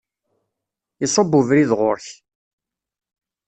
Isudd ubrid ɣur-k.